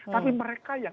tapi mereka yang